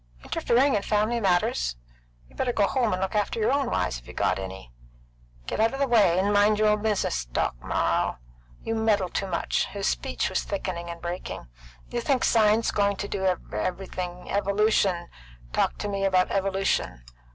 Interfering in family matters? You better go home and look after your own wives, if you got any. Get out the way, 'n' you mind your own business, Doc. Morrell. You meddle too much." His speech was thickening and breaking. "You think science going do everything evolution! Talk me about evolution!